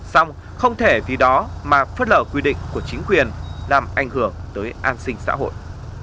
xong không thể vì đó mà phớt lờ quy định của chính quyền làm ảnh hưởng tới an sinh xã hội